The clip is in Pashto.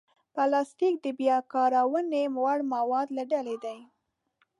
پلاستيک د بیا کارونې وړ موادو له ډلې دی.